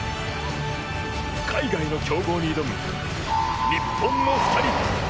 海外の強豪に挑む日本の２人。